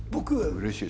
うれしい。